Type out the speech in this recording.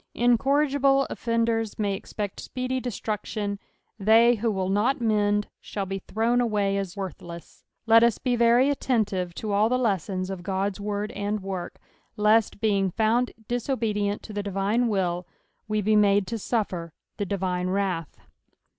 Incorrigible offenders may expect speedy destruction : they who will not mend, shall be thrown away as vorthlcM. Let us be very attentive tn all the lessons of Ood's word and work, lest being found dis obedient to the divine will, we be made to suffer the divine wrath.